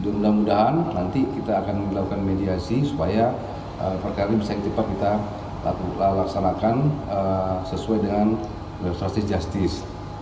mudah mudahan nanti kita akan melakukan mediasi supaya perkara ini bisa cepat kita laksanakan sesuai dengan restructice justice